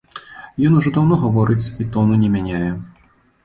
Ён ўжо даўно гаворыць і тону не мяняе.